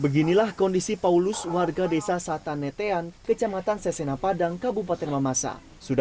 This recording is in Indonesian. beginilah kondisi paulus warga desa satanetean kecamatan sesenapadang kabupaten mamasa sudah